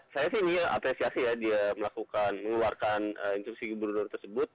saya sih ini apresiasi ya dia melakukan mengeluarkan instruksi gubernur tersebut